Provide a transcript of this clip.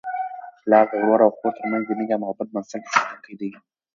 پلار د ورور او خور ترمنځ د مینې او محبت بنسټ ایښودونکی دی.